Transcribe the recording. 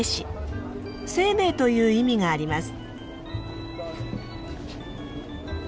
生命という意味があります。